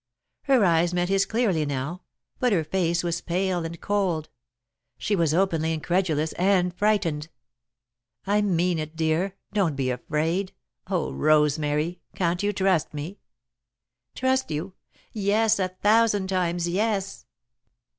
Her eyes met his clearly now, but her face was pale and cold. She was openly incredulous and frightened. [Sidenote: Her Birthright] "I mean it, dear. Don't be afraid. Oh, Rosemary, can't you trust me?" "Trust you? Yes, a thousand times, yes!"